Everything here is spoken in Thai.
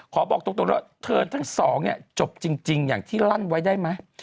บอกตรงแล้วเธอทั้งสองเนี่ยจบจริงอย่างที่ลั่นไว้ได้ไหม